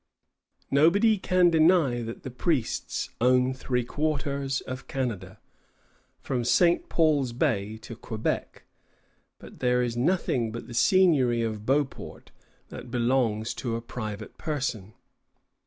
"Nobody can deny that the priests own three quarters of Canada. From St. Paul's Bay to Quebec, there is nothing but the seigniory of Beauport that belongs to a private person.